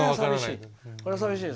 それは寂しい。